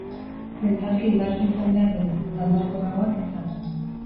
Mentalki indartsu izan behar dugu, eta oldarkorragoak izan.